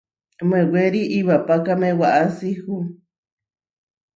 Mewéri iwapákame waʼási hu.